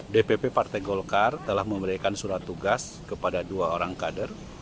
dpp partai golkar telah memberikan surat tugas kepada dua orang kader